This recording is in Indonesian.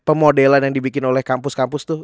pemodelan yang dibikin oleh kampus kampus tuh